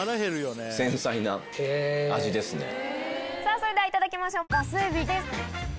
それではいただきましょうがすえびです。